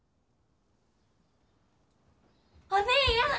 ・お姉やん！